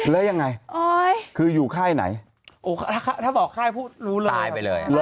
แล้วยังไงคืออยู่ค่ายไหนโอ้ถ้าบอกค่ายพูดรู้เลยตายไปเลย